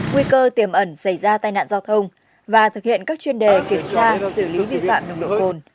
nguy cơ tiềm ẩn xảy ra tai nạn giao thông và thực hiện các chuyên đề kiểm tra xử lý vi phạm nồng độ cồn